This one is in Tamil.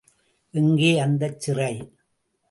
எங்கே அந்தச் சிறை?